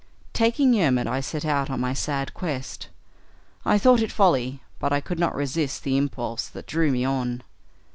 Taking Yermid, I set out on my sad quest. I thought it folly, but I could not resist the impulse that drew me on.